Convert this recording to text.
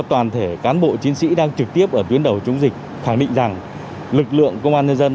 toàn thể cán bộ chiến sĩ đang trực tiếp ở tuyến đầu chống dịch khẳng định rằng lực lượng công an nhân dân